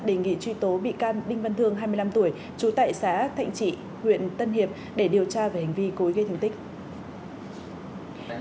đề nghị truy tố bị can đinh văn thương hai mươi năm tuổi trú tại xã thạnh trị huyện tân hiệp để điều tra về hành vi cối gây thương tích